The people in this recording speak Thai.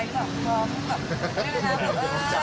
แม่นะแบบ